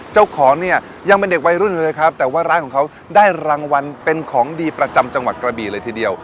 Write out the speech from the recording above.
เจ้าของเนี่ยยังเป็นเด็กวัยรุ่นอยู่เลยครับแต่ว่าร้านของเขาได้รางวัลเป็นของดีประจำจังหวัดกระบีเลยทีเดียว